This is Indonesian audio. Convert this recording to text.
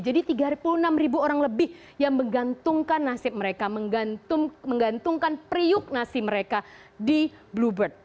jadi tiga puluh enam ribu orang lebih yang menggantungkan nasib mereka menggantungkan periuk nasib mereka di blue bird